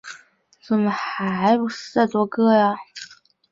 霍奇对偶在此情形显然对应于三维中的叉积。